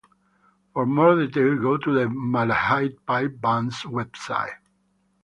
For more details go to the Malahide Pipe Band's website.